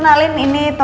jadi main aja